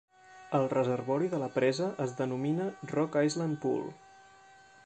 El reservori de la presa es denomina Rock Island Pool.